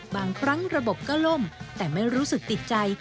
บางครั้งระบบก็ล่มแต่ไม่รู้สึกติดใจ